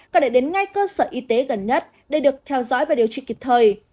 có thể đến ngay cơ sở y tế gần nhất để được theo dõi và điều trị kịp thời